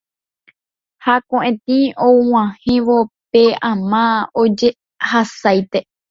Ha ko'ẽtĩ og̃uahẽvo pe ama ojehasaite